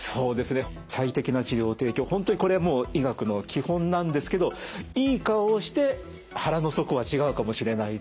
本当にこれは医学の基本なんですけどいい顔をして腹の底は違うかもしれないと。